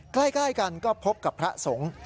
ใกล้กันก็พบกับพระสงฆ์